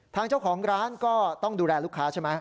ทางเจ้าของร้านก็ต้องดูแลลูกค้าใช่ไหม